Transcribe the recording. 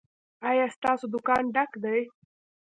ایا ستاسو دکان ډک دی؟